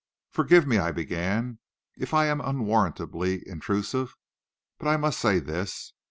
"Forgive me," I began, "if I am unwarrantably intrusive, but I must say this.